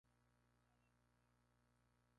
El claustro incorpora algunas capillas góticas.